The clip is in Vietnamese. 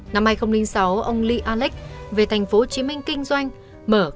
năm hai nghìn sáu ông lee alex về tp hcm kinh doanh mở công ty ht như đề cập